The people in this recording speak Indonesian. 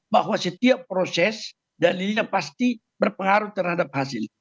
bahwa setiap proses dan ini pasti berpengaruh terhadap hasil